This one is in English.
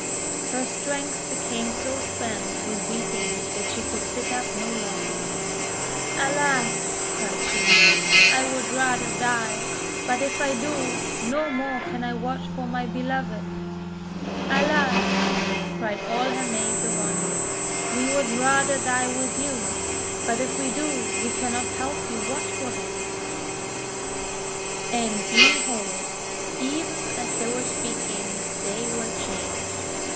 Her strength became so spent with weeping that she could sit up no longer. "Alas!" cried she, "I would rather die; but if I do, no more can I watch for my Beloved!5' "Alas!'1' cried all her maids of honour, "we would rather die with you; but if we do, we cannot help you watch for him!" 132 THE WONDER GARDEN And behold! even as they were speaking they were changed!